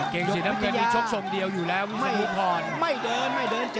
เก่งสีน้ำเตือนกี่ชกซมเดียวอยู่แล้วพี่สุนิปรอล